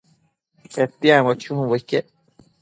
Petiambo chumbo iquec